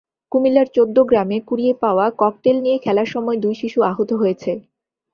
কুমিল্লার চৌদ্দগ্রামে কুড়িয়ে পাওয়া ককটেল নিয়ে খেলার সময় দুই শিশু আহত হয়েছে।